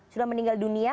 sudah meninggal dunia